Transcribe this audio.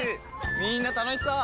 みんな楽しそう！